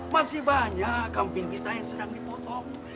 masih banyak kamping kita yang sedang dipotong